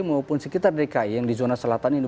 maupun sekitar dki yang di zona selatan ini